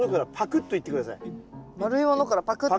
丸いものからパクッと。